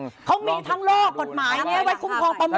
เขามีทั้งโลกกฎหมายนี้ไว้คุมความประโมก